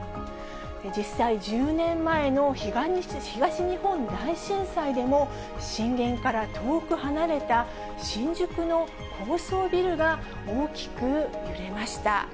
実際、１０年前の東日本大震災でも、震源から遠く離れた新宿の高層ビルが、大きく揺れました。